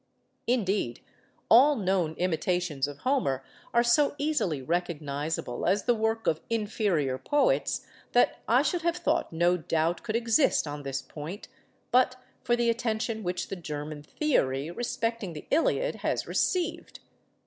Indeed, all known imitations of Homer are so easily recognisable as the work of inferior poets, that I should have thought no doubt could exist on this point, but for the attention which the German theory respecting the 'Iliad' has received.